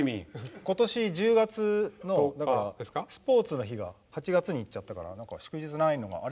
ことし１０月のスポーツの日が８月にいっちゃったから祝日ないのがあれ？